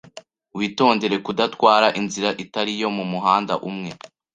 Witondere kudatwara inzira itari yo mumuhanda umwe.